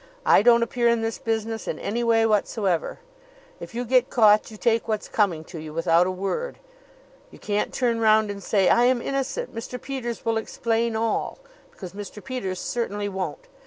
I don't appear in this business in any way whatsoever. If you get caught you take what's coming to you without a word. You can't turn round and say: 'I am innocent. Mr. Peters will explain all' because Mr. Peters certainly won't. Mr.